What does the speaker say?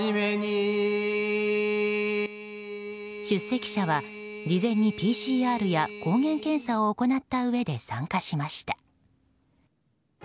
出席者は事前にＰＣＲや抗原検査を行ったうえで参加しました。